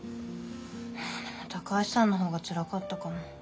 いやでも高橋さんの方がつらかったかも。